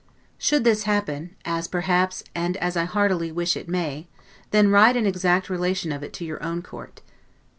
Should this happen, as perhaps, and as I heartily wish it may, then write an exact relation of it to your own Court.